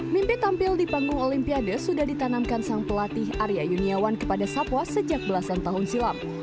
mimpi tampil di panggung olimpiade sudah ditanamkan sang pelatih arya yuniawan kepada satwa sejak belasan tahun silam